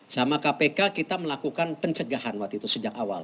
sama kpk kita melakukan pencegahan waktu itu sejak awal